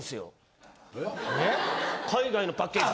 海外のパッケージ。